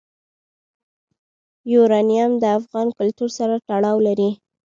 یورانیم د افغان کلتور سره تړاو لري.